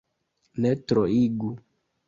Ne troigu.